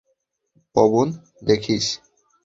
পবন, দেখিস।